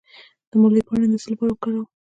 د مولی پاڼې د څه لپاره وکاروم؟